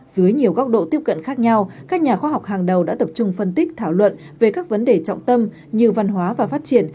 dưới nhiều góc độ tiếp cận khác nhau các nhà khoa học hàng đầu đã tập trung phân tích thảo luận về các vấn đề trọng tâm như văn hóa và phát triển